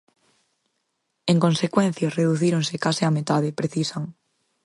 En consecuencia, "reducíronse case á metade", precisan.